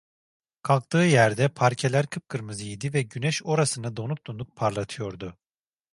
Kalktığı yerde parkeler kıpkırmızı idi ve güneş orasını donuk donuk parlatıyordu.